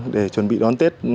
để chuẩn bị đón tết